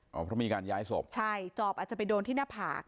เพราะมีการย้ายศพใช่จอบอาจจะไปโดนที่หน้าผาก